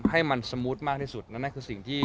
ให้มันสมูทมากที่สุดนั่นนั่นคือสิ่งที่